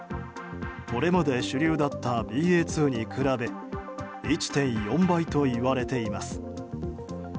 これまで主流だったＢＡ．２に比べ１．４倍といわれています。